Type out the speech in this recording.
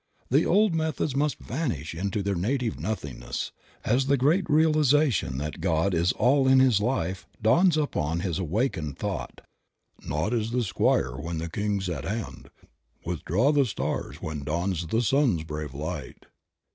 The old methods must vanish into their native nothingness, as the great realization that God is all in his life dawns upon his awak ened thought. "Naught is the squire, when the king's at hand; Withdraw the stars, when dawns the sun's brave light."